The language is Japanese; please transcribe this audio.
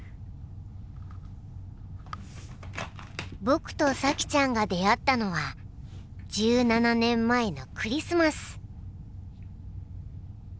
僕と咲ちゃんが出会ったのは１７年前のクリスマス。